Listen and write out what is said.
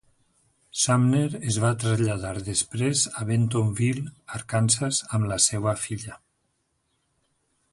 Sumner es va traslladar després a Bentonville, Arkansas amb la seva filla.